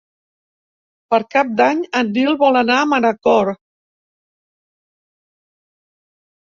Per Cap d'Any en Nil vol anar a Manacor.